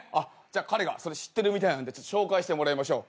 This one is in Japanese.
彼がそれ知ってるみたいなんで紹介してもらいましょう。